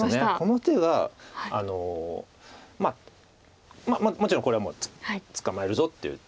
この手はまあもちろんこれは捕まえるぞっていう。